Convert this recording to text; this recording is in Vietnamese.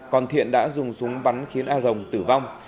còn thiện đã dùng súng bắn khiến a rồng tử vong